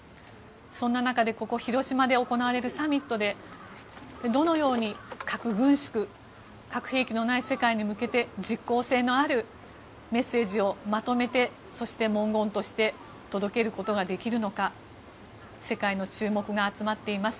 そんな中でここ、広島で行われるサミットでどのように核軍縮核兵器のない世界に向けて実効性のあるメッセージをまとめてそして、文言として届けることができるのか世界の注目が集まっています。